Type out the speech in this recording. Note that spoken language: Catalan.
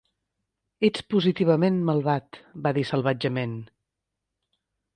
Ets positivament malvat, va dir salvatgement.